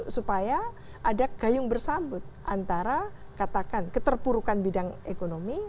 supaya ada gayung bersambut antara katakan keterpurukan bidang ekonomi